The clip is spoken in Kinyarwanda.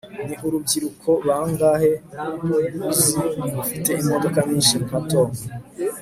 ni urubyiruko bangahe uzi rufite imodoka nyinshi nka tom